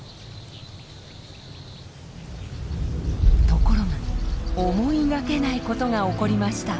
ところが思いがけないことが起こりました。